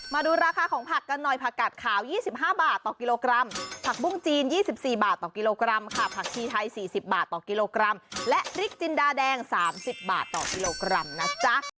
มาดูราคาของผักกันหน่อยผักกัดขาว๒๕บาทต่อกิโลกรัมผักบุ้งจีน๒๔บาทต่อกิโลกรัมค่ะผักชีไทย๔๐บาทต่อกิโลกรัมและพริกจินดาแดง๓๐บาทต่อกิโลกรัมนะจ๊ะ